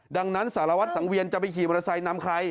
ดังนั้นสารวัตรสังเวียนจะไปขี่มอเตอร์ไซค์นำใคร